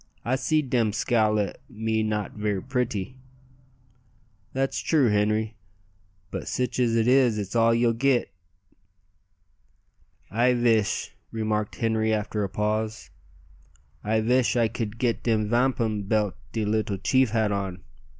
I seed dem scowl at me not ver' pritty." "That's true, Henri; but sich as it is it's all ye'll git." "I vish," remarked Henri after a pause "I vish I could git de vampum belt de leetle chief had on.